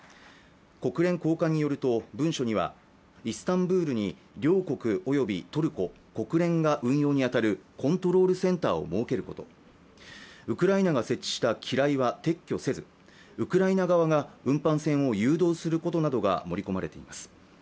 国連高官によると、文書にはイスタンブールに両国およびトルコ、国連が運用に当たるコントロールセンターを設けること、ウクライナが設置した機雷は撤去せずウクライナ側が運搬船を誘導することなどが盛り込まれています。